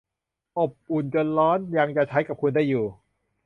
อบอุ่นจนร้อนยังจะใช้กับคุณได้อยู่